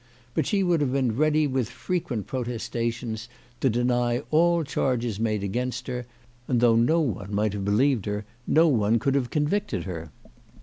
But she would have been ready with frequent protestations to deny all charges made against her, and, though no one might have believed her, no one could have convicted her.